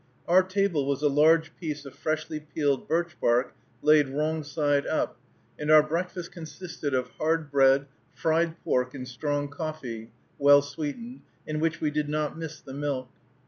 Our table was a large piece of freshly peeled birch bark, laid wrong side up, and our breakfast consisted of hard bread, fried pork, and strong coffee, well sweetened, in which we did not miss the milk.